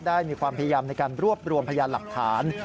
มีความพยายามในการรวบรวมพยานหลักฐาน